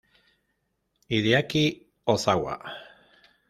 Hideaki Ozawa